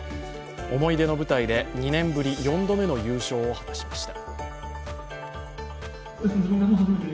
思い出の舞台で２年ぶり４度目の優勝を果たしました。